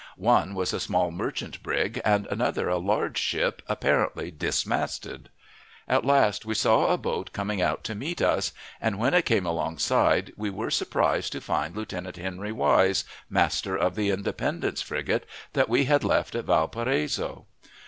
One was a small merchant brig and another a large ship apparently dismasted. At last we saw a boat coming out to meet us, and when it came alongside, we were surprised to find Lieutenant Henry Wise, master of the Independence frigate, that we had left at Valparaiso.